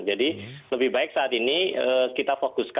jadi lebih baik saat ini kita fokus ke pertama